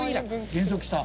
減速した。